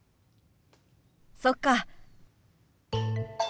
そっか。